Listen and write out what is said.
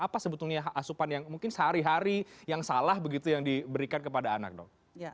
apa sebetulnya asupan yang mungkin sehari hari yang salah begitu yang diberikan kepada anak dok